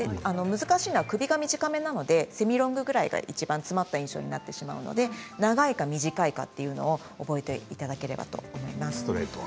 難しいのは首が短めなのでセミロングぐらいがいちばん詰まった印象になってしまうので長いか短いかと覚えていただければと思います。